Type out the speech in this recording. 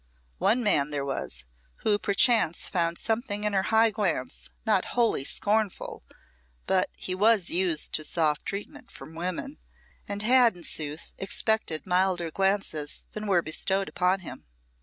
One man there was, who perchance found something in her high glance not wholly scornful, but he was used to soft treatment from women, and had, in sooth, expected milder glances than were bestowed upon him.